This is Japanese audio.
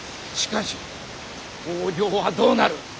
しかし北条はどうなる。